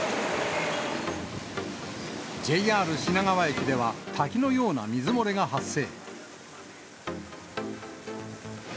ＪＲ品川駅では、滝のような水漏れが発生。